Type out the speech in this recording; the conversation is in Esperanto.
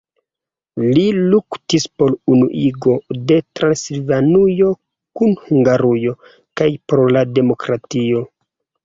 Li luktis por unuigo de Transilvanujo kun Hungarujo kaj por la demokratio.